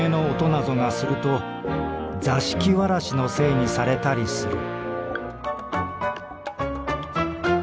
なぞがすると座敷童子のせいにされたりする」。